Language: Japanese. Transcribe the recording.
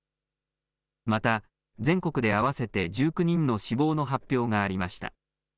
また、全国で合わせて１９人の死亡の発表がありました。